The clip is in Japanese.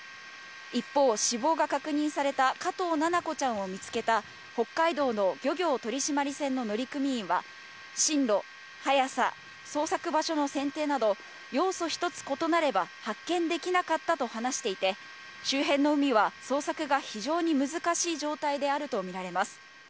一方、死亡が確認された加藤七菜子ちゃんを見つけた北海道の漁業取締船の乗組員は、針路、速さ、捜索場所の選定など、要素１つ異なれば発見できなかったと話していて、周辺の海は捜索が非常に難しい状態であると見られます。